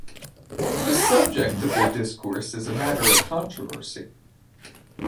The subject of their discourse is a matter of controversy.